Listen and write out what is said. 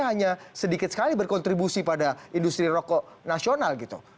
hanya sedikit sekali berkontribusi pada industri rokok nasional gitu